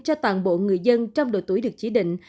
cho toàn bộ người dân trong độ tuổi được chỉ định